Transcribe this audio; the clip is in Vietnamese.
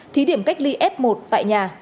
thí điểm cách ly f một tại nhà